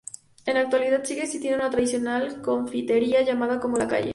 En la actualidad sigue existiendo una tradicional confitería llamada como la calle.